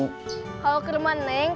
kalau ke rumah neng